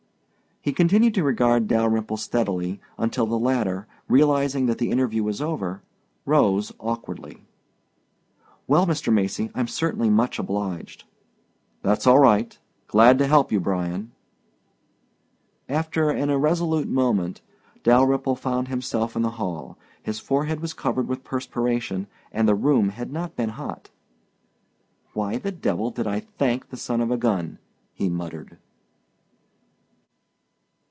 He continued to regard Dalyrimple steadily until the latter, realizing that the interview was over, rose awkwardly. "Well, Mr. Macy, I'm certainly much obliged." "That's all right. Glad to help you, Bryan." After an irresolute moment, Dalyrimple found himself in the hall. His forehead was covered with perspiration, and the room had not been hot. "Why the devil did I thank the son of a gun?" he muttered.